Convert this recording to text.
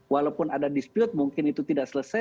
walaupun ada dispute mungkin itu tidak selesai